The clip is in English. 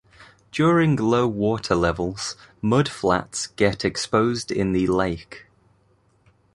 During low water levels mudflats get exposed in the lake.